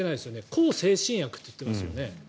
向精神薬と言っていますよね。